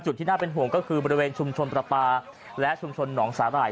ที่น่าเป็นห่วงก็คือบริเวณชุมชนประปาและชุมชนหนองสาหร่าย